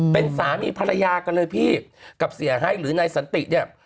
เป็นสามีภรรยากันเลยพี่กับเสียให้หรือนายสันติเนี่ย